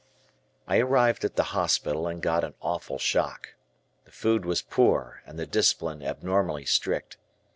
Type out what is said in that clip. I arrived at the hospital and got an awful shock. The food was poor and the discipline abnormally strict.